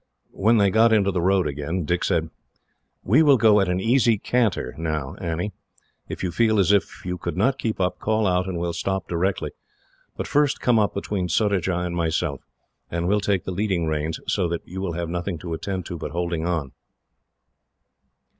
When they got into the road again, Dick said: "We will go at an easy canter now, Annie. If you feel as if you could not keep on, call out, and we will stop directly; but first come up between Surajah and myself, and we will take the leading reins, so that you will have nothing to attend to but holding on."